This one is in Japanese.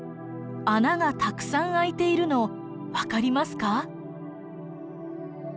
穴がたくさん開いているの分かりますか？